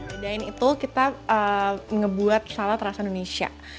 bedain itu kita ngebuat salad rasa indonesia